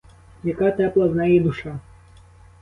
Яка тепла в неї душа!